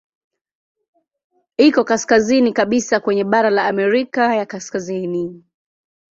Iko kaskazini kabisa kwenye bara la Amerika ya Kaskazini.